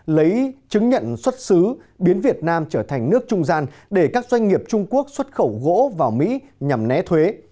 lấy chứng nhận xuất xứ biến việt nam trở thành nước trung gian để các doanh nghiệp trung quốc xuất khẩu gỗ vào mỹ nhằm né thuế